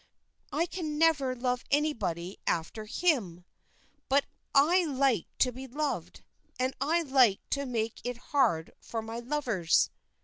"I can never love anybody after him: but I like to be loved, and I like to make it hard for my lovers."